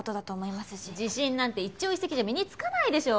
自信なんて一朝一夕じゃ身につかないでしょ。